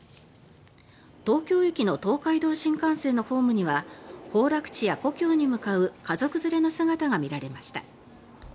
東京駅の東海道新幹線のホームには行楽地や故郷に向かう家族連れの姿が見られました。